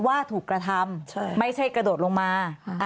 ว่าถูกกระทำไม่ใช่กระโดดลงมา